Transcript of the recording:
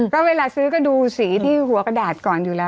ก็เวลาซื้อก็ดูสีที่หัวกระดาษก่อนอยู่แล้ว